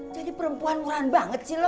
jadi perempuan murahan banget sih lo